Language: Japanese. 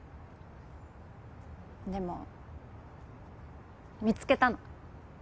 でも見つけたの。